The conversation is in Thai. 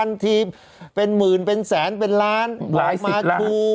พรางวัลทีเป็นหมื่นเป็นแสนเป็นล้านออกมาถูรายสิตล้าน